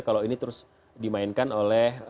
kalau ini terus dimainkan oleh